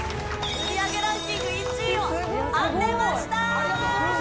売り上げランキング１位を当てました。